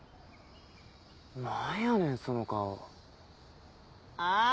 何やねんその顔あっ！